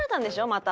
また。